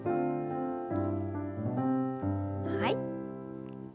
はい。